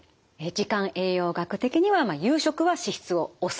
時間栄養学的には夕食は脂質を抑える。